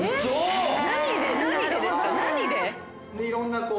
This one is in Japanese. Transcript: いろんな。